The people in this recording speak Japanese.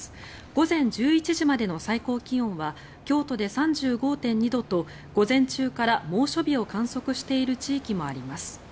午前１１時までの最高気温は京都で３５．２度と午前中から猛暑日を観測している地域もあります。